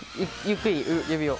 ゆっくり、指を。